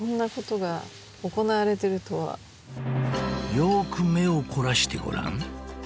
［よく目を凝らしてごらん］